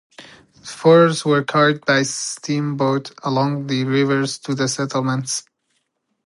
Furs were carried by steamboat along the rivers to the settlements.